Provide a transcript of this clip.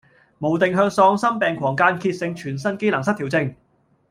無定向喪心病狂間歇性全身機能失調症